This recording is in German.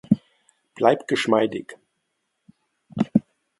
Bleib geschmeidig!